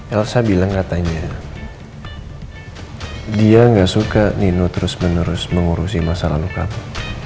elsa bilang katanya dia gak suka nino terus menerus mengurusi masalah lukamu